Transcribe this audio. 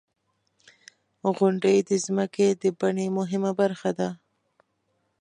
• غونډۍ د ځمکې د بڼې مهمه برخه ده.